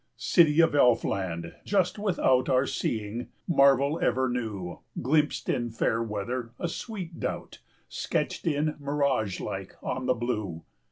City of Elf land, just without 45 Our seeing, marvel ever new, Glimpsed in fair weather, a sweet doubt Sketched in, mirage like, on the blue.